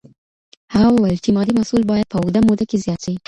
هغه وویل چی مادي محصول باید په اوږده موده کي زیات سي.